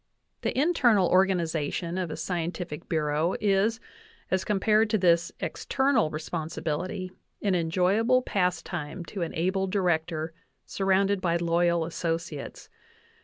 The internal organization of a scientific bureau is, as com pared to this external responsibility, an enjoyable pastime to an able Director surrounded by loyal associates.